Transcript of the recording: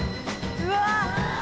うわ。